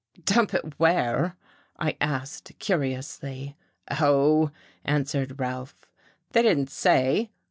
"Dump it where?" I asked curiously. "Oh," answered Ralph, "they didn't say.